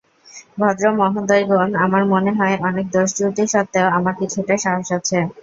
ভদ্রমহোদয়গণ, আমার মনে হয়, অনেক দোষ-ত্রুটি সত্ত্বেও আমার কিছুটা সাহস আছে।